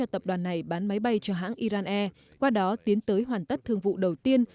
tập đoàn này bán máy bay cho hãng iran air qua đó tiến tới hoàn tất thương vụ đầu tiên